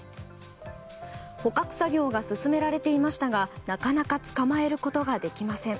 捕獲作業が進められていましたがなかなか捕まえることができません。